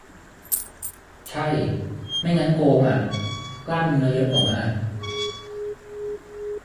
ใช่ ไม่งั้นโกงอะ กล้ามเนื้อเยอะกว่ามาก